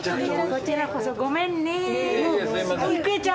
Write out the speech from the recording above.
こちらこそごめんね。